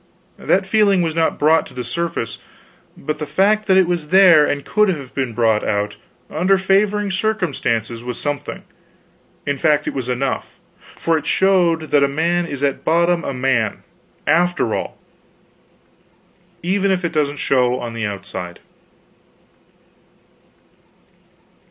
That feeling was not brought to the surface, but the fact that it was there and could have been brought out, under favoring circumstances, was something in fact, it was enough; for it showed that a man is at bottom a man, after all, even if it doesn't show on the outside.